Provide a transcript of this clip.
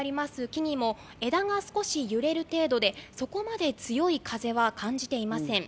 木にも枝が少し揺れる程度で、そこまで強い風は感じていません。